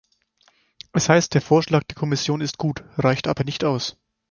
Das heißt, der Vorschlag der Kommission ist gut, reicht aber nicht aus.